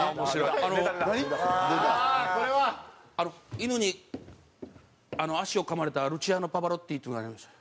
犬に足をかまれたルチアーノ・パヴァロッティっていうのがありまして。